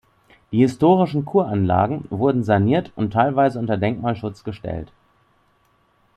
Die historischen Kuranlagen wurden saniert und teilweise unter Denkmalschutz gestellt.